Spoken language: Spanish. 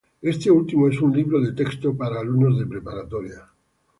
Este último es un libro de texto para alumnos de preparatoria.